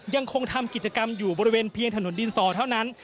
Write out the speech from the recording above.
ยังคงทำกิจกรรมอยู่บริเวณเพียงถนนดินสอเท่านั้น